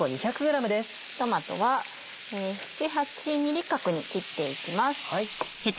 トマトは７８ｍｍ角に切っていきます。